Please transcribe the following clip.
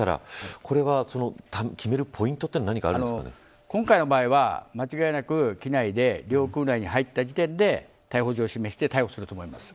これは決めるポイントは今回の場合は、間違いなく機内で領空内に入った時点で逮捕状を示して逮捕すると思います。